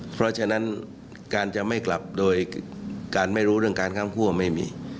เพราะฉะนั้นการจะไม่กลับโดยการไม่รู้เรื่องการค้างคั่วไม่มี